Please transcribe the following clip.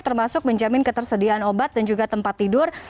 termasuk menjamin ketersediaan obat dan juga tempat tidur